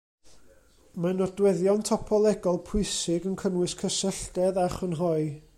Mae nodweddion topolegol pwysig yn cynnwys cysylltedd a chrynhoi.